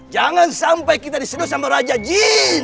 jangan sampai kita disedot sama raja jin